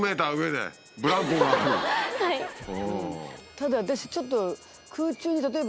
ただ私ちょっと。